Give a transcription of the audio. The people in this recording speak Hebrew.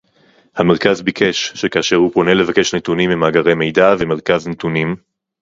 המרכז ביקש שכאשר הוא פונה לבקש נתונים ממאגרי מידע ומרכז נתונים